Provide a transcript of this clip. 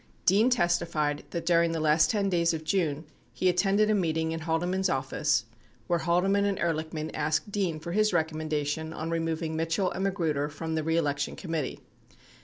87 Dean testified that during the last 10 days of June he attended a meeting in Haldeman's office where Haldeman and Ehrlichman asked Dean for his recommen dation on removing Mitchell and Magruder from the reelection com mittee.